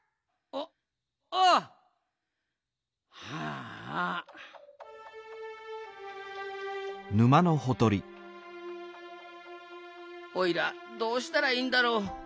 おいらどうしたらいいんだろう。